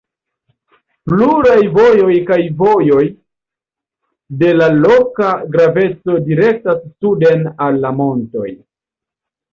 Pluraj vojoj kaj vojoj de loka graveco direktas suden al la montoj.